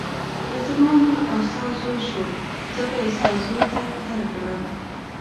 که زما لور او ستا زوی شو زه به یې ستا زوی ته درکړم.